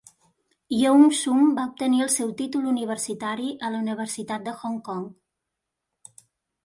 Yeung Sum va obtenir el seu títol universitari a la Universitat de Hong Kong.